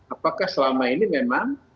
apakah selama ini memang